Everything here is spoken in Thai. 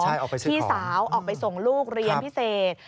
ใช่ออกไปซื้อของพี่สาวออกไปส่งลูกเรียนพิเศษ